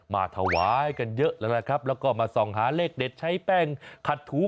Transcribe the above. มาถวายกันเยอะแล้วนะครับแล้วก็มาส่องหาเลขเด็ดใช้แป้งขัดถู